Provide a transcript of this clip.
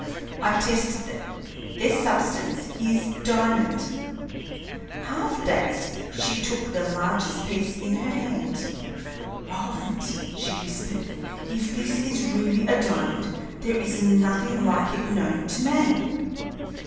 I tested them; their substance is diamond!" Half dazed, she took the largest piece in her hand. "Roland," she whispered, "if this is really a diamond, there is nothing like it known to man!"